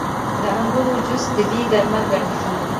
• د انګورو جوس طبیعي درمل ګڼل کېږي.